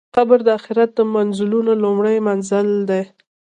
قبر د آخرت د منزلونو لومړی منزل دی.